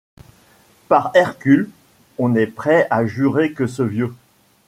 Par Hercule ! on est prêt à jurer que ce vieux